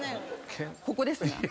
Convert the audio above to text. ここですね。